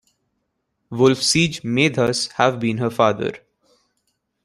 Wulfsige may thus have been her father.